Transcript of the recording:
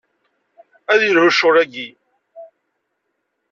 Ad yelhu ccɣel-aki.